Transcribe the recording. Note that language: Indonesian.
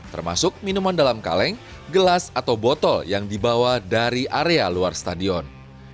termasuk minuman dalam kaleng gelas atau botol yang dibawa dari area luar stadion